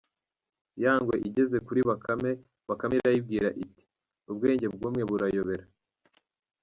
Ya ngwe igeze kuri Bakame, Bakame irayibwira iti « ubwenge bw’umwe burayobera.